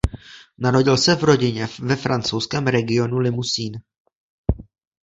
Narodil se v rodině ve francouzském regionu Limousin.